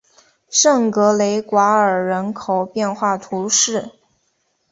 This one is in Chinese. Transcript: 圣格雷瓜尔人口变化图示